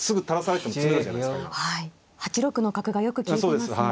８六の角がよく利いてますよね。